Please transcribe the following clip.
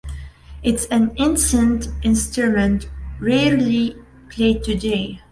It is an ancient instrument rarely played today.